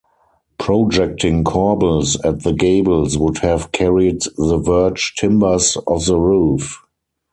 Projecting corbels at the gables would have carried the verge timbers of the roof.